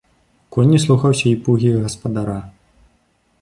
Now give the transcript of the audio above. Конь не слухаўся і пугі гаспадара.